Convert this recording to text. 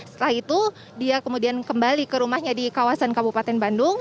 setelah itu dia kemudian kembali ke rumahnya di kawasan kabupaten bandung